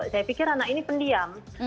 saya pikir anak ini pendiam